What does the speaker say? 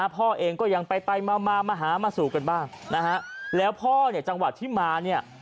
พ่อเองก็ยังไปมามหามาสู่กันบ้างแล้วพ่อจังหวัดที่มา